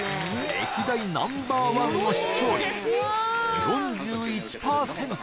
歴代ナンバーワンの視聴率４１％